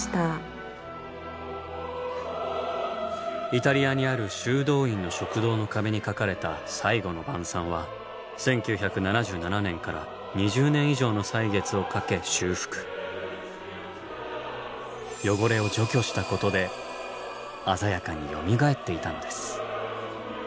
イタリアにある修道院の食堂の壁に描かれた「最後の晩餐」は１９７７年から汚れを除去したことで鮮やかによみがえっていたのです。